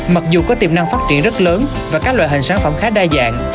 mặc dù có tiềm năng phát triển rất lớn và các loại hình sản phẩm khá đa dạng